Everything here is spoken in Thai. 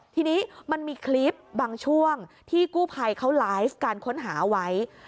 ทีนี้มันมีคลิปบางช่วงที่กู้ภัยเขาไลฟ์การค้นหาไว้